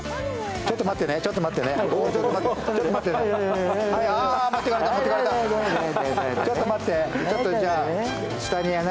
ちょっと待って、ちょっと下にね。